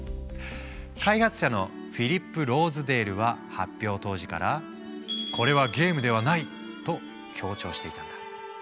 開発者のフィリップ・ローズデールは発表当時からと強調していたんだ。